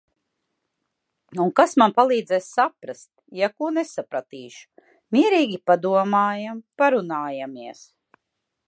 Un kas man palīdzēs saprast, ja ko nesapratīšu?... mierīgi padomājām, parunājāmies...